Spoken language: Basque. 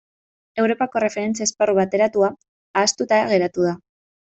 Europako Erreferentzia Esparru Bateratua ahaztuta geratu da.